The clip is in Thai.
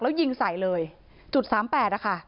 แล้วยิงใส่เลยจุด๓๘นะคะ